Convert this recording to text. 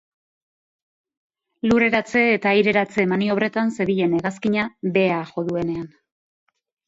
Lurreratze eta aireratze maniobretan zebilen hegazkina, behea jo duenean.